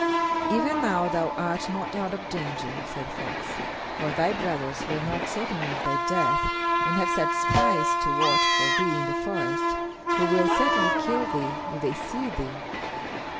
"Even now thou art not out of danger," said the fox, "for thy brothers were not certain of thy death, and have set spies to watch for thee in the forest, who will certainly kill thee if they see thee."